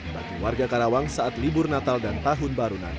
bagi warga karawang saat libur natal dan tahun baru